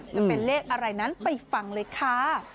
จะเป็นเลขอะไรนั้นไปฟังเลยค่ะ